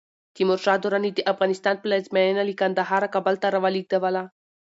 تیمور شاه دراني د افغانستان پلازمېنه له کندهاره کابل ته راولېږدوله.